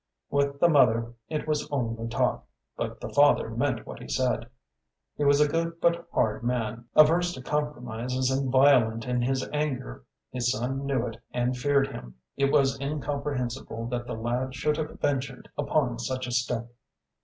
With the mother it was only talk; but the father meant what he said. He was a good but hard man, averse to compromises, and violent in his anger; his son knew it and feared him. It was incomprehensible that the lad should have ventured upon such a step.